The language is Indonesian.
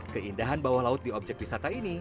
keindahan bawah laut di objek wisata ini